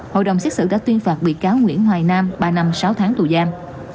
hội đồng xét xử đã tuyên phạt bị cáo nguyễn hoài nam ba năm sáu tháng tù giam